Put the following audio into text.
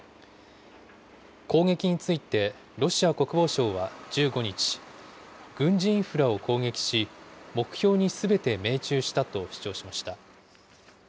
攻撃についてロシア国防省は１５日、軍事インフラを攻撃し、目標にすべて命中したと主張しました。